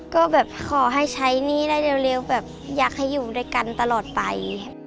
ก็แบบขอให้ใช้หนี้ได้เร็วแบบอยากให้อยู่ด้วยกันตลอดไป